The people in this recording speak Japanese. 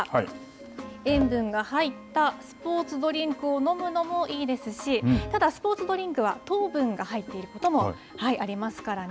なので対策としましては、塩分が入ったスポーツドリンクを飲むのもいいですし、ただ、スポーツドリンクは糖分が入っていることもありますからね。